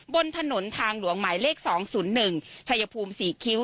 บนถนนทางหลวงหมายเลขสองศูนย์หนึ่งชัยภูมิสี่คิ้ว